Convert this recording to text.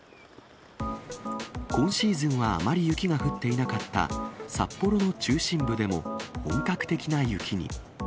今シーズンはあまり雪が降っていなかった札幌の中心部でも、本格的な雪に。